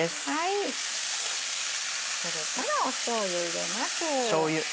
それからしょうゆ入れます。